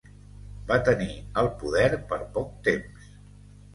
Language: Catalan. Va tenir el poder per poc temps.